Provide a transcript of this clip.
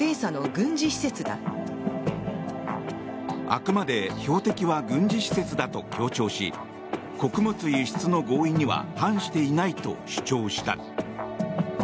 あくまで標的は軍事施設だと強調し穀物輸出の合意には反していないと主張した。